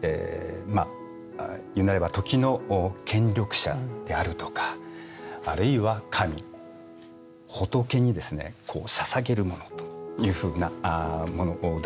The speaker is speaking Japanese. まっいうなれば時の権力者であるとかあるいは神仏にですねこうささげるものというふうなものだろうと思うんですね。